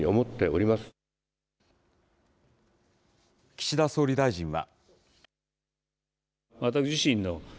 岸田総理大臣は。